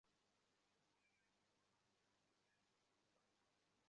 প্রথমে মুখের ওপর স্টিম নিয়ে অলিভ অয়েল মাখুন মিনিট সাতেকের মতো।